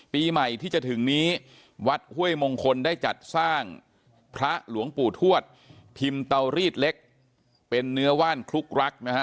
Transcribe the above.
ปีใหม่ที่จะถึงนี้วัดห้วยมงคลได้จัดสร้างพระหลวงปู่ทวดพิมพ์เตารีดเล็กเป็นเนื้อว่านคลุกรักนะฮะ